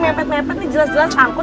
mepet mepet nih jelas jelas angkot